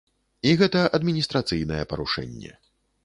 І гэта адміністрацыйнае парушэнне.